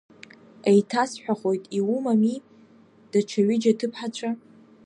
Еиҭасҳәахоит иумами даҽа ҩыџьа аҭыԥҳацәа?